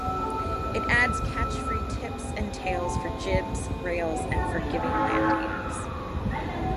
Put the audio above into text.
It adds catch free tips and tails for jibs, rails, and forgiving landings.